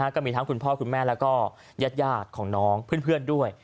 ก็มีทั้งคุณพ่อคุณแม่แล้วก็ญาติของน้องเพื่อนด้วย